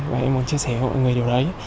và em muốn chia sẻ với mọi người điều đấy